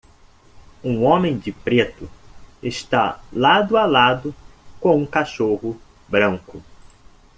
Um homem de preto está lado a lado com um cachorro branco.